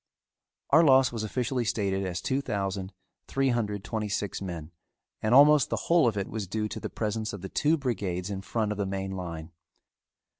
Our loss was officially stated as two thousand, three hundred, twenty six men and almost the whole of it was due to the presence of the two brigades in front of the main line.